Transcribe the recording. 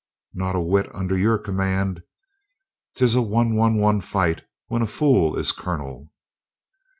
"Not a whit under your command. 'Tis an 111 fight when a fool is colonel."